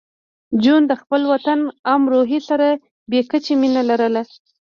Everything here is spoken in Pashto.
جون د خپل وطن امروهې سره بې کچه مینه لرله